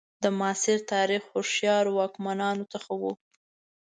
د معاصر تاریخ هوښیارو واکمنانو څخه وو.